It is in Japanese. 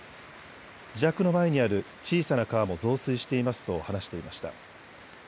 自宅の前にある小さな川も増水していますと話していました。